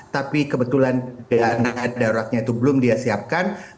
tapi kebetulan dana daruratnya itu belum dia siapkan